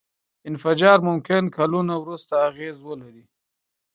انفجار ممکن کلونه وروسته اغېز ولري.